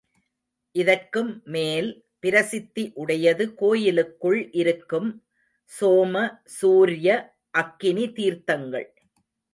இதற்கும் மேல் பிரசித்தி உடையது கோயிலுக்குள் இருக்கும் சோம, சூர்ய, அக்னி தீர்த்தங்கள்.